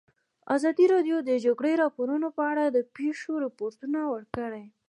ازادي راډیو د د جګړې راپورونه په اړه د پېښو رپوټونه ورکړي.